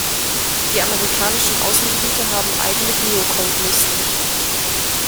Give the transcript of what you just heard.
Die amerikanischen Außengebiete haben eigene Geocode-Listen.